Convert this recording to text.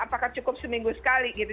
apakah cukup seminggu sekali gitu